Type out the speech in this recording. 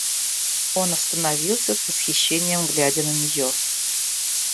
Он остановился, с восхищением глядя на нее.